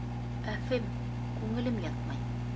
—Әфем, күңелем ятмай...